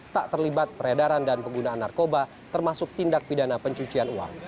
tak terlibat peredaran dan penggunaan narkoba termasuk tindak pidana pencucian uang